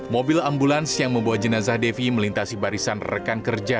mobil ambulans yang membawa jenazah devi melintasi barisan rekan kerja